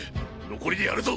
残りでやるぞ！